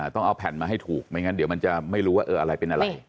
ต้องเอาแผ่นมาให้ถูกไม่งั้นเดี๋ยวมันจะไม่รู้ว่าอะไรเป็นอะไร